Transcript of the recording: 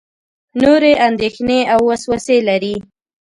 نورې اندېښنې او وسوسې لري.